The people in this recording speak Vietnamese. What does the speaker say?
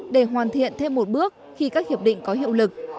để hoàn thiện thêm một bước khi các hiệp định có hiệu lực